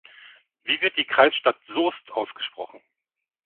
Wie wird die Kreisstadt "Soest" ausgesprochen?